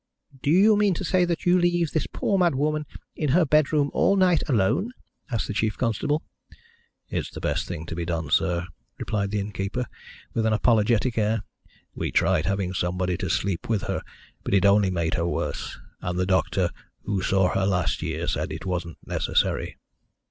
"Do you mean to say that you leave this poor mad woman in her bedroom all night alone?" asked the chief constable. "It's the best thing to be done, sir," replied the innkeeper, with an apologetic air. "We tried having somebody to sleep with her, but it only made her worse, and the doctor who saw her last year said it wasn't necessary.